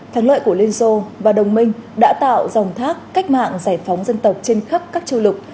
thắng lợi của liên xô và đồng minh đã tạo dòng thác cách mạng giải phóng dân tộc trên khắp các châu lục